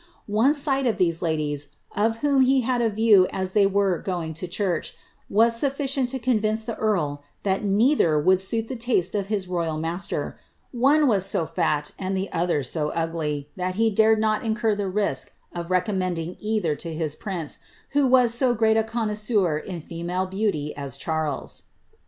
One sight of these ladies, of whom he had a view as they were going to church, was sulHcient to convince the earl that neither would suit the taste of his royal master. One was so fat, and the other so ugly, that he dated not incur the risk of recommending either to a prince, who was so grcit a connoisseur in female beauty as Charles.'